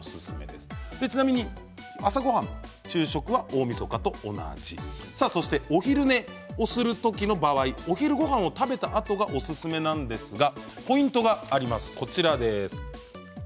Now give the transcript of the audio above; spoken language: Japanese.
ちなみに朝ごはん、昼食は大みそかと同じ。お昼寝をする時の場合お昼ごはんを食べたあとがおすすめなんですがポイントがあります。